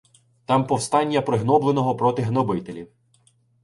Там повстання пригнобленого проти гнобителів.